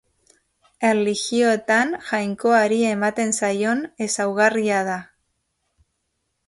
Erlijioetan Jainkoari ematen zaion ezaugarria da.